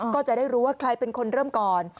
ก็จะได้รู้ว่าใครเป็นคนเริ่มก่อน